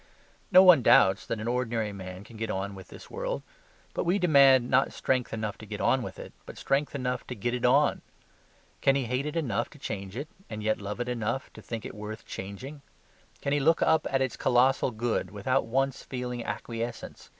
No one doubts that an ordinary man can get on with this world: but we demand not strength enough to get on with it, but strength enough to get it on. Can he hate it enough to change it, and yet love it enough to think it worth changing? Can he look up at its colossal good without once feeling acquiescence?